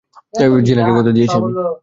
জিনাকে কথা দিয়েছি আমি।